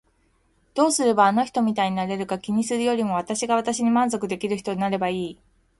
どうすればあの人みたいになれるか気にするよりも私が私に満足できる人になればいい。